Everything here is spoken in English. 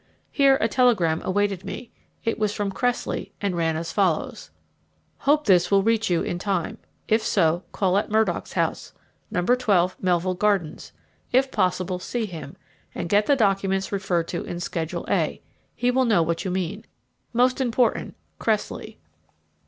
Here a telegram awaited me; it was from Cressley, and ran as follows: "Hope this will reach you time; if so, call at Murdock's house, No. 12, Melville Gardens. If possible see him and get the documents referred to in Schedule A he will know what you mean. Most important. "Cressley."